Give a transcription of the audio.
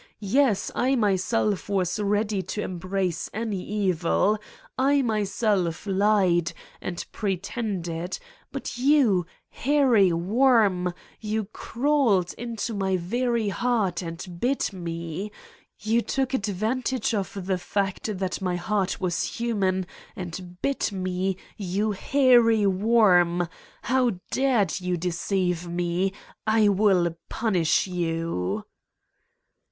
Yes, I my self was ready to embrace any evil. I myself lied and pretended, but you, hairy worm, you crawled into my very heart and bit me. You took advan tage of the fact that my heart was human and bit me, you hairy worm. How dared you deceive me ? I will punish you."